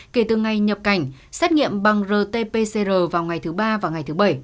kể từ ngày nhập cảnh xét nghiệm bằng rt pcr vào ngày thứ ba và ngày thứ bảy